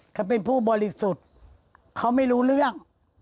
เขาเป็นผู้บริสุทธิ์เขาไม่รู้เรื่อง